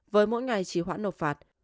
với mỗi ngày trí hoãn nộp phạt